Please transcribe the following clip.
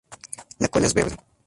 La cola es verde.